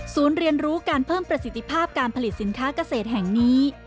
เรียนรู้การเพิ่มประสิทธิภาพการผลิตสินค้าเกษตรแห่งนี้